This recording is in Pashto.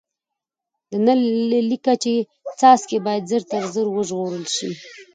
د نل لیکه چي څاڅي باید ژر تر ژره ورغول سي.